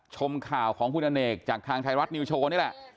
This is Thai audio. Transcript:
ชมข่าวของคุณอเนกจากทางไทยรัฐนิวโชว์นี่แหละ